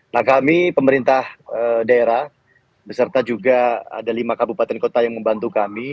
nah kami pemerintah daerah beserta juga ada lima kabupaten kota yang membantu kami